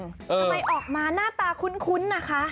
ทำไมออกมาหน้าตาคุ้นนะคะ